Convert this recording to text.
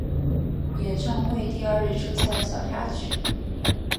演唱会第二日出现了小插曲。